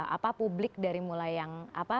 apa publik dari mulai yang apa